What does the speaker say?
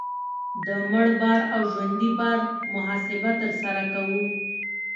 د مړ بار او ژوندي بار محاسبه ترسره کوو